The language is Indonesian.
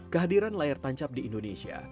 kehadiran layar tancap di indonesia